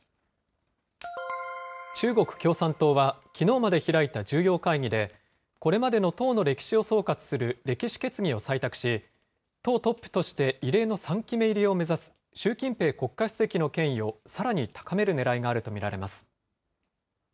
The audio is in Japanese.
中国共産党は、きのうまで開いた重要会議で、これまでの党の歴史を総括する歴史決議を採択し、党トップとして異例の３期目入りを目指す習近平国家主席の権威をさらに高めるねらいがあると見られます。